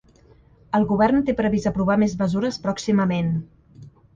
El govern té previst aprovar més mesures pròximament